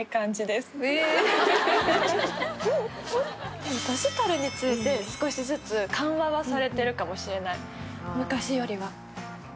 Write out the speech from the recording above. でも年取るにつれて少しずつ緩和はされてるかもしれない昔よりは。